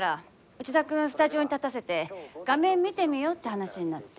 内田君スタジオに立たせて画面見てみようって話になって。